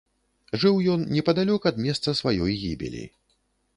Жыў ён непадалёк ад месца сваёй гібелі.